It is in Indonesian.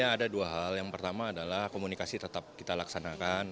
ada dua hal yang pertama adalah komunikasi tetap kita laksanakan